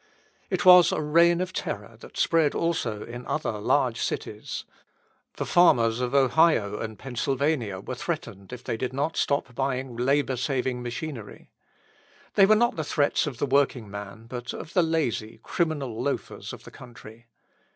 It was a reign of terror that spread also in other large cities. The farmers of Ohio and Pennsylvania were threatened if they did not stop buying labour saving machinery. They were not the threats of the working man, but of the lazy, criminal loafers of the country.